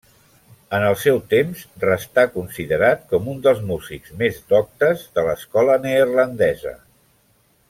En el seu temps restà considerat com un dels músics més doctes de l'escola neerlandesa.